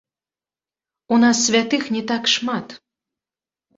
У нас святых не так шмат.